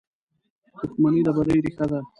• دښمني د بدۍ ریښه ده.